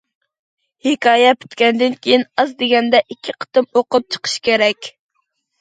ھېكايە پۈتكەندىن كېيىن ئاز دېگەندە ئىككى قېتىم ئوقۇپ چىقىش كېرەك.